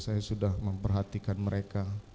saya sudah memperhatikan mereka